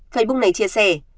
facebook này chia sẻ